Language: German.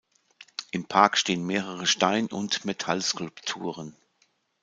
Im Park stehen mehrere Stein- und Metall-Skulpturen.